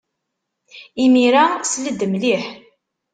Imir-a, sel-d mliḥ.